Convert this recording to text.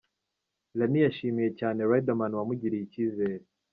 Lanie yashimiye cyane Riderman wamugiriye icyizere.